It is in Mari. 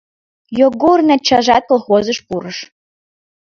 Йогорын ачажат колхозыш пурыш.